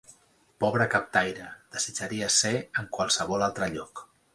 Pobre captaire, desitjaria ser en qualsevol altre lloc.